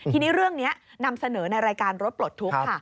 ทีนี้เรื่องนี้นำเสนอในรายการรถปลดทุกข์ค่ะ